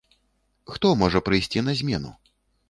Хто можа прыйсці на змену?